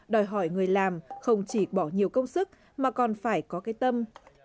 đòi hỏi người làm không chỉ bỏ nhiều công sức mà còn phải có cái tâm